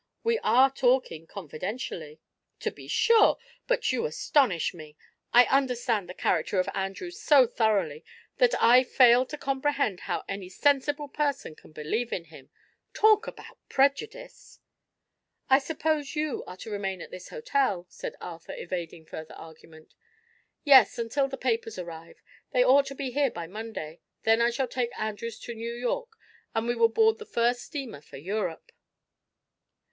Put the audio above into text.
"We are talking confidentially." "To be sure. But you astonish me. I understand the character of Andrews so thoroughly that I fail to comprehend how any sensible person can believe in him. Talk about prejudice!" "I suppose you are to remain at this hotel?" said Arthur, evading further argument. "Yes, until the papers arrive. They ought to be here by Monday. Then I shall take Andrews to New York and we will board the first steamer for Europe."